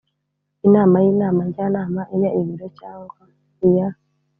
inama y inama njyanama iya biro cyangwa iya